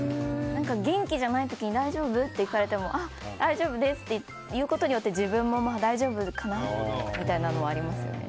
元気じゃない時に大丈夫？って聞かれてもあ、大丈夫です！って言うことによって大丈夫かなみたいなのはありますね。